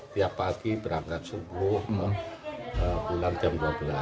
tiap pagi berangkat subuh pulang jam dua belas